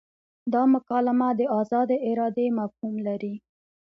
دا مکالمه د ازادې ارادې مفهوم لري.